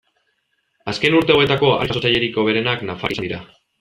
Azken urte hauetako harri-jasotzailerik hoberenak nafarrak izan dira.